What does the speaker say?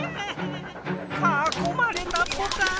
かこまれたポタ。